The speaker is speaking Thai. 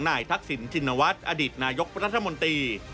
ทักษิณชินวัฒน์อดีตนายกรัฐมนตรี